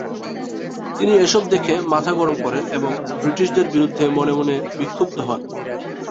তিনি এসব দেখে মাথা গরম করেন এবং ব্রিটিশদের বিরুদ্ধে মনে মনে বিক্ষুব্ধ হন।